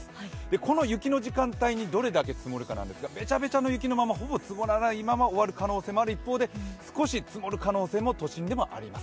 この雪の時間帯にどれだけ積もるかなんですがべちゃべちゃの雪のままほぼ積もらないまま終わる可能性もある一方で少し積もる可能性も都心でもあります。